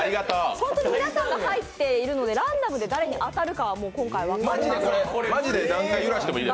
本当に皆さんが入っているのでランダムで誰に当たるか今回分かりません。